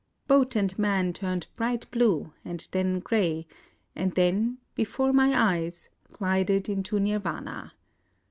Boat and man turned bright blue and IN OSAKA 143 then grey, and then, before my eyes, glided into Nirvana.